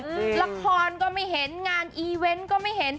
ละครก็ไม่เห็นงานก็ไม่เห็น